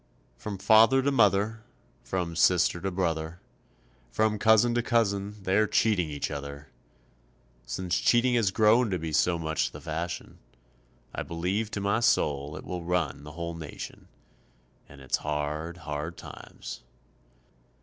From father to mother, from sister to brother, From cousin to cousin, they're cheating each other. Since cheating has grown to be so much the fashion, I believe to my soul it will run the whole Nation, And it's hard, hard times.